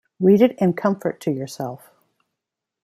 Read it in comfort to yourself.